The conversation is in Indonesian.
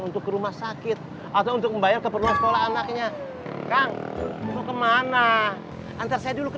untuk ke rumah sakit atau untuk membayar keperluan sekolah anaknya kang mau kemana antar saya dulu ke